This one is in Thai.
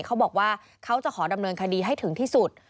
เขาบอกว่าเขาจะขอดำเนินคดีให้ถึงที่สุด